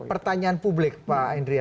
pertanyaan publik pak hendriya